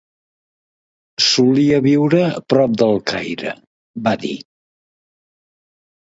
"Solia viure a prop del Caire", va dir.